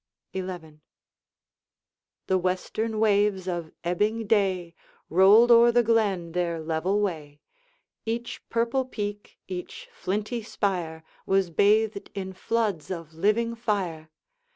XI. The western waves of ebbing day Rolled o'er the glen their level way; Each purple peak, each flinty spire, Was bathed in floods of living fire.